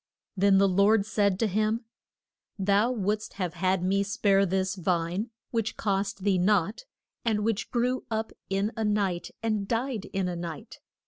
Then the Lord said to him, Thou wouldst have had me spare this vine which cost thee nought, and which grew up in a night and died in a night.